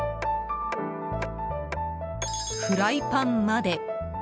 フライパンまで。